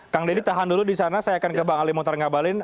kang deddy tahan dulu disana saya akan ke bang ali mohtar ngabalin